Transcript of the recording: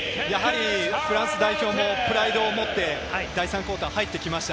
フランス代表もプライドをもって第３クオーター入ってきました。